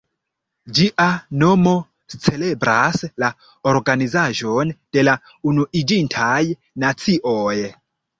Ĝia nomo celebras la organizaĵon de la Unuiĝintaj Nacioj.